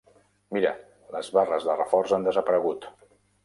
Mira, les barres de reforç han desaparegut!